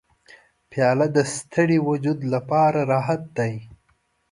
پیاله د ستړي وجود لپاره راحت دی.